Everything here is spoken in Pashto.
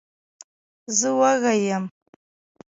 زه وږی یم.